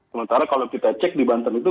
sementara kalau kita cek di banten itu